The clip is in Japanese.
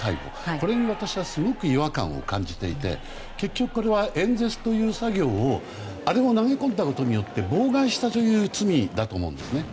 これに私はすごく違和感を感じていて結局、これは演説という作業をあれを投げ込んだことによって妨害したという罪だと思うんです。